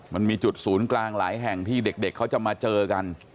มันมีจุดศูนย์กลางหลายแห่งที่เด็กเขาจะมาเจอกัน